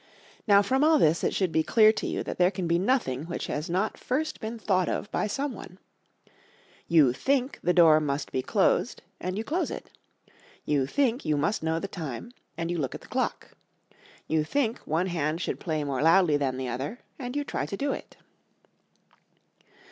Now, from all this it should be clear to you that there can be nothing which has not first been thought of by some one. You think the door must be closed and you close it; you think you must know the time and you look at the clock; you think the one hand should play more loudly than the other and you try to do it.